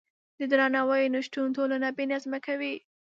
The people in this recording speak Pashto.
د درناوي نشتون ټولنه بې نظمه کوي.